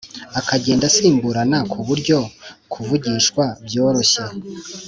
akagenda asimburana ku buryo kuvugishwa byoroshye